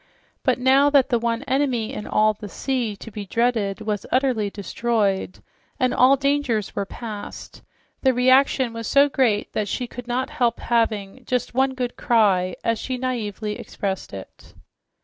But now that the one enemy in all the sea to be dreaded was utterly destroyed and all dangers were past, the reaction was so great that she could not help having "just one good cry," as she naively expressed it.